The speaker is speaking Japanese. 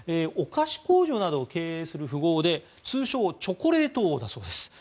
お菓子工場などを経営する富豪で通称チョコレート王だそうです。